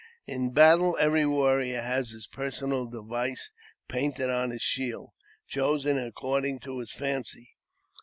In battle every warrior has his personal device painted on his shield, chosen according to his fancy.